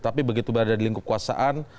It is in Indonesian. tapi begitu berada di lingkup kekuasaan